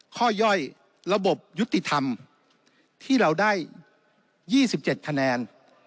ข้อย่อยระบบยุติธรรมที่เราได้ยี่สิบเจ็ดคะแนน